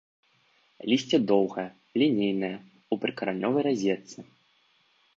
Лісце доўгае, лінейнае, у прыкаранёвай разетцы.